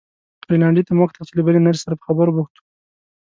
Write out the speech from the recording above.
رینالډي ته مو وکتل چې له بلې نرسې سره په خبرو بوخت و.